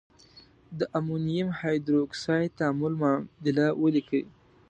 د امونیم هایدرواکساید تعامل معادله ولیکئ.